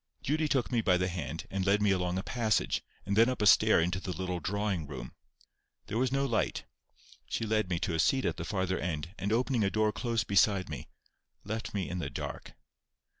Judy took me by the hand, and led me along a passage, and then up a stair into the little drawing room. There was no light. She led me to a seat at the farther end, and opening a door close beside me, left me in the dark.